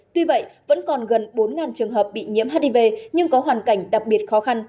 tuy vậy vẫn còn gần bốn trường hợp bị nhiễm hiv nhưng có hoàn cảnh đặc biệt khó khăn